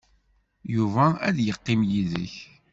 Yuba ad yeqqim yid-k.